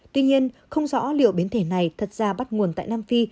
tuy nhiên không rõ liệu biến thể này thật ra bắt nguồn tại nam phi